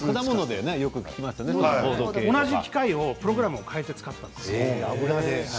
同じ機械をプログラムを変えて使っています。